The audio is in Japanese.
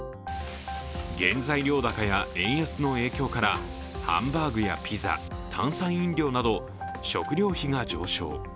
原材料高や円安の影響からハンバーグやピザ、炭酸飲料など、食料費が上昇。